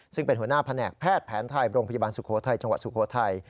ซึ่งเป็นหัวหน้าแผนแผนแพทย์แผนไทยบรงพยาบาลสุโคไทย